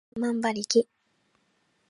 百万馬力